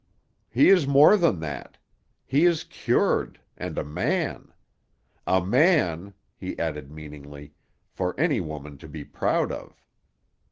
"He is more than that. He is cured—and a man. A man," he added meaningly, "for any woman to be proud of."